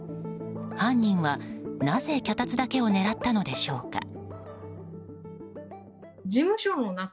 犯人はなぜ脚立だけを狙ったのでしょうか。